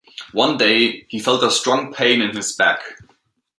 One day, he felt a strong pain in his back.